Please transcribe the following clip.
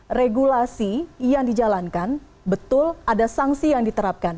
di situasi yang dijalankan betul ada sanksi yang diterapkan